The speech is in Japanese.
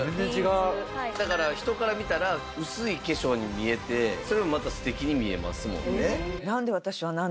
だから人から見たら薄い化粧に見えてそれがまた素敵に見えますもんね。